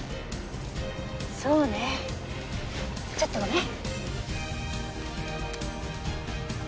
そうねちょっとごめん。